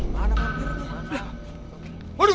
tunggu pak rete